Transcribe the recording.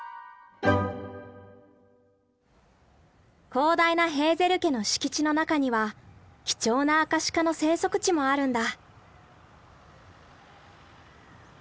広大なヘーゼル家の敷地の中には貴重なアカシカの生息地もあるんだ。